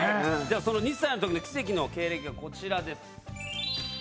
その２歳の時の奇跡の経歴がこちらです。